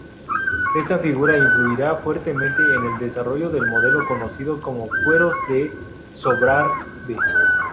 Esta figura influirá fuertemente en el desarrollo del modelo conocido como Fueros de Sobrarbe.